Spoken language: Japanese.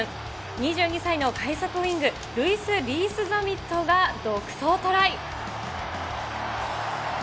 ２３歳の快速ウイング、ルイス・リース・ザミットが独走トライ。